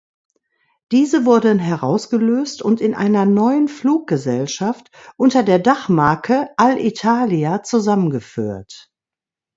Diese wurden herausgelöst und in einer neuen Fluggesellschaft unter der Dachmarke "Alitalia" zusammengeführt.